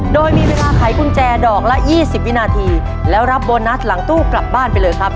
โดยมีเวลาไขกุญแจดอกละ๒๐วินาทีแล้วรับโบนัสหลังตู้กลับบ้านไปเลยครับ